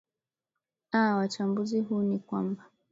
aa wachambuzi huu ni kwamba